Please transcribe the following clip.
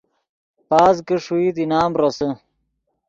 پاس کہ ݰوئیت انعام روسے